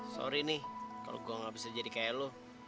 sorry nih kalau gue gak bisa jadi kayak lo